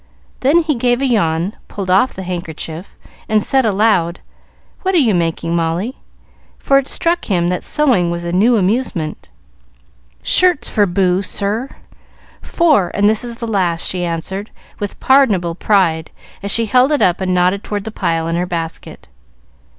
Then he gave a yawn, pulled off the handkerchief, and said aloud, "What are you making, Molly?" for it struck him that sewing was a new amusement. "Shirts for Boo, sir. Four, and this is the last," she answered, with pardonable pride, as she held it up and nodded toward the pile in her basket.